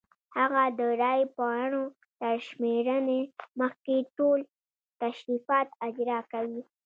هغه د رای پاڼو تر شمېرنې مخکې ټول تشریفات اجرا کوي.